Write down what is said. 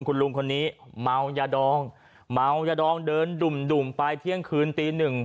คุณลุงคนนี้เมายาดองเมายาดองเดินดุ่มไปเที่ยงคืนตีหนึ่ง